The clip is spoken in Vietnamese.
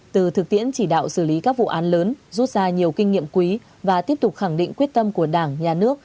từ thực tiễn chỉ đạo xử lý các vụ án lớn rút ra nhiều kinh nghiệm quý và tiếp tục khẳng định quyết tâm của đảng nhà nước